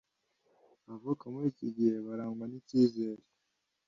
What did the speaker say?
Abavuka muri iki gihe barangwa n’icyizere,